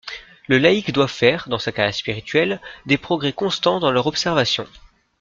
Le laïc doit faire, dans sa carrière spirituelle, des progrès constants dans leur observation.